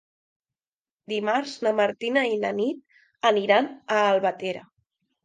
Dimarts na Martina i na Nit aniran a Albatera.